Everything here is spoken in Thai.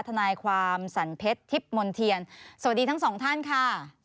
ทนายความสันเพชรทิพย์มนเทียนสวัสดีทั้งสองท่านค่ะ